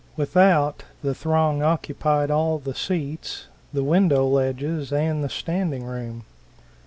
Without, the throng occupied all the seats, the window ledges and the standing room.